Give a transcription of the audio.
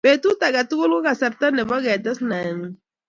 Petut age tugul ko kasarta nebo ketes naengung